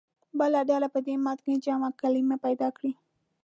بله ډله دې په متن کې جمع کلمې پیدا کړي.